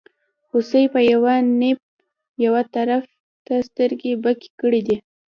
هوسۍ په یوه نېب یوه طرف ته سترګې بکې کړې دي.